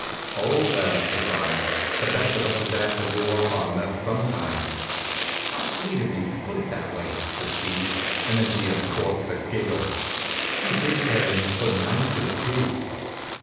"Oh, well," says I, "the best of us is apt to go off our nut sometimes." "How sweet of you to put it that way!" says she, and then she uncorks a giggle. "You did carry me so nicely, too."